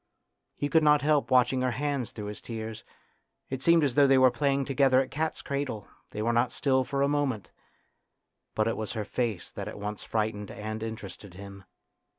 He could not help watching her hands through his tears ; it seemed as though they were playing together at cat's cradle ; they were not still for a moment. But it was her face that at once frightened and interested him.